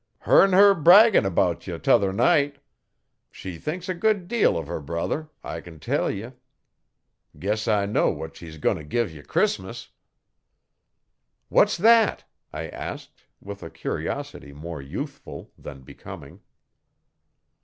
'Hear'n 'er braggin' 'bout ye t'other night; she thinks a good deal o' her brother, I can tell ye. Guess I know what she's gain' t' give ye Crissmus.' 'What's that?' I asked, with a curiosity more youthful than becoming.